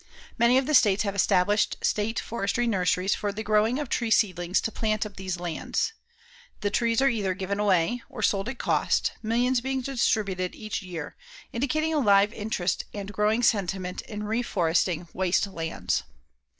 Many of the states have established state forestry nurseries for the growing of tree seedlings to plant up these lands. The trees are either given away, or sold at cost, millions being distributed each year, indicating a live interest and growing sentiment in re foresting waste lands.